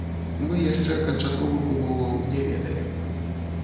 Мы яшчэ канчатковых умоваў не ведаем.